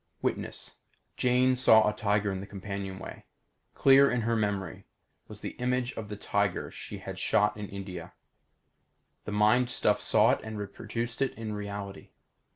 Witness: Jane saw a tiger in the companionway. Clear in her memory was the image of the tiger she had shot at in India. The mind stuff saw it and reproduced it in reality.